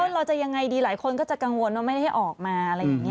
เราจะอย่างไรดีหลายคนก็จะกังวลว่าไม่ได้ออกมา